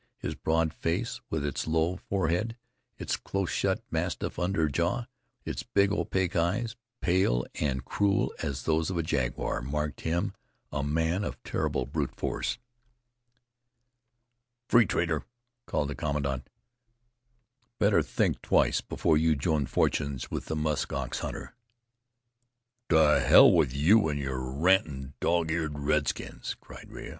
His broad face, with its low forehead, its close shut mastiff under jaw, its big, opaque eyes, pale and cruel as those of a jaguar, marked him a man of terrible brute force. "Free trader!" called the commandant "Better think twice before you join fortunes with the musk ox hunter." "To hell with you an' your rantin', dog eared redskins!" cried Rea.